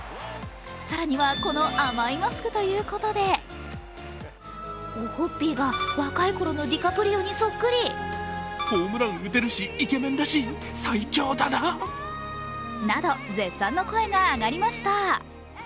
更には、この甘いマスクということでなど絶賛の声が上がりました。